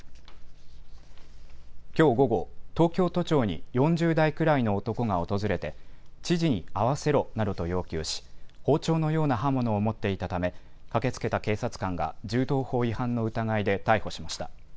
きょう午後、東京都庁に４０代くらいの男が訪れて知事に会わせろなどと要求し包丁のような刃物を持っていたため駆けつけた警察官が銃刀法違反の疑いで逮捕しました。